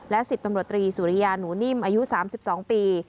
และ๑๐ตำรวจตรีสุริยาหนูนิ่มอายุ๓๒ปี